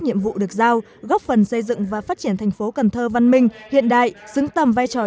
nhiệm vụ được giao góp phần xây dựng và phát triển tp cnh văn minh hiện đại xứng tầm vai trò